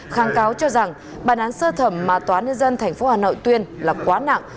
kháng cáo cho rằng bản án sơ thẩm mà tòa án nhân dân tp hà nội tuyên là quá nặng